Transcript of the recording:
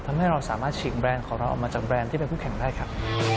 ทำให้เราสามารถฉีกแรนด์ของเราออกมาจากแบรนด์ที่เป็นผู้แข่งได้ครับ